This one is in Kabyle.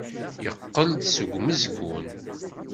Yeqqel-d seg umezgun.